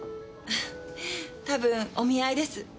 多分お見合いです。